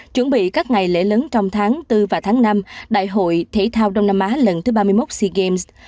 chuẩn bị các ngày lễ lớn trong tháng bốn và tháng năm đại hội thể thao đông nam á lần thứ ba mươi một sea games